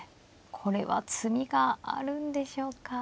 これは詰みがあるんでしょうか。